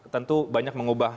tentu banyak mengubah